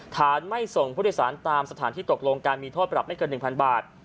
ฐานไม่ส่งผู้โดยสารตามสถานที่ตกลงการมีโทษปรับไม่เกิน๑๐๐บาท